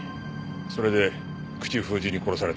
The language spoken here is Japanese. それで口封じに殺された。